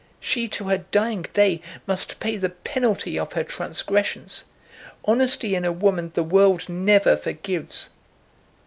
She to her dying day must pay the penalty of her transgressions. Honesty in a woman the world never forgives."